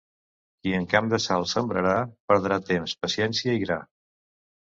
Qui en camp de sal sembrarà perdrà temps, paciència i gra.